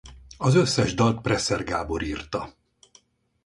Az összes dalt Presser Gábor írta.